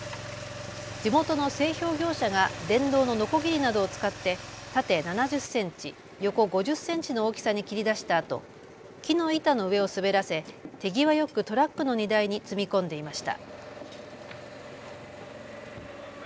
地元の製氷業者が電動ののこぎりなどを使って縦７０センチ、横５０センチの大きさに切り出したあと木の板の上を滑らせ手際よくトラックの荷台に積み込んでいました。